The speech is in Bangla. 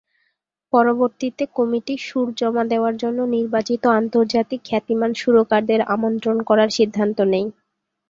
পরবর্তীতে কমিটি সুর জমা দেওয়ার জন্য নির্বাচিত আন্তর্জাতিক খ্যাতিমান সুরকারদের আমন্ত্রণ করার সিদ্ধান্ত নেয়।